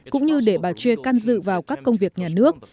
cũng như để bà chuyên can dự vào các công việc nhà nước